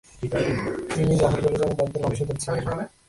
তিনি জাফরগড়ের জমিদারদের বংশধর ছিলেন।